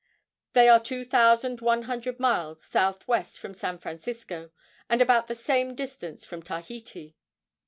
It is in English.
They are two thousand one hundred miles southwest from San Francisco, and about the same distance from Tahiti.